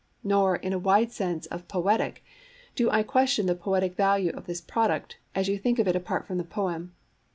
Nor, in a wide sense of "poetic," do I question the poetic value of this product, as you think of it apart from the poem.